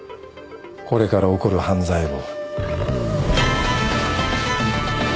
これから起こる犯罪を。